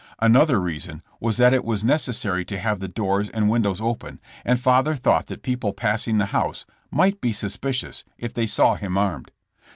Another reason was that it was necessary to have the doors and windows open, and father thought that people passing the house might be suspicious if they saw him armed.